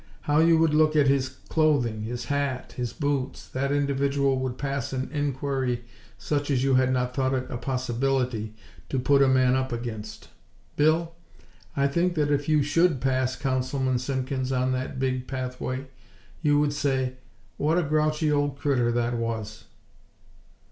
How you would look at his clothing, his hat, his boots! That individual would pass an inquiry such as you had not thought it a possibility to put a man up against. Bill, I think that if you should pass Councilman Simpkins on that Big Pathway, you would say: 'What a grouchy old crittur that was!'"